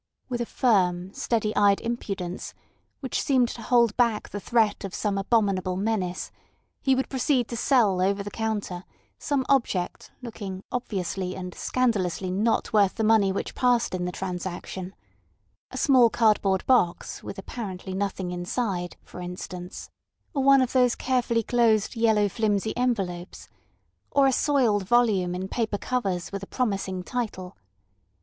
With a firm, steady eyed impudence, which seemed to hold back the threat of some abominable menace, he would proceed to sell over the counter some object looking obviously and scandalously not worth the money which passed in the transaction: a small cardboard box with apparently nothing inside, for instance, or one of those carefully closed yellow flimsy envelopes, or a soiled volume in paper covers with a promising title.